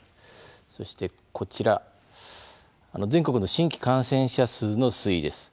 そして、こちら全国の新規感染者数の推移です。